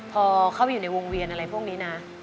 พอเขาอยู่ในวงเวียนอะไรพวกนี้นะ